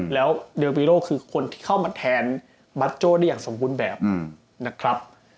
แล้วเดียวเบโรคือคนที่เข้ามาแทนบัชโจ่ได้อย่างสมควรแบบ